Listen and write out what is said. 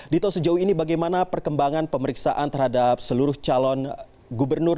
dito sejauh ini bagaimana perkembangan pemeriksaan terhadap seluruh calon gubernur